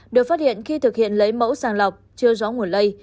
được phát hiện khi thực hiện lấy mẫu sàng lọc chưa rõ nguồn lây